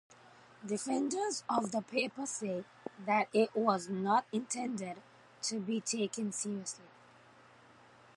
Defenders of the paper say that it was not intended to be taken seriously.